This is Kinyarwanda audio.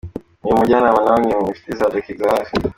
Uyu mujyanama na bamwe mu nshuti za Jackie za hafi,.